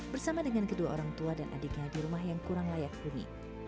bersama dengan kedua orang tua dan adiknya di rumah yang kurang layak huni